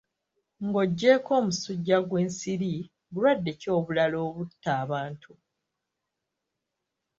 Ng'oggyeko omusujja gw'ensiri, bulwadde ki obulala obutta abantu?